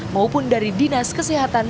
maupun dari dinas kesehatan